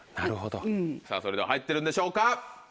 それでは入ってるんでしょうか？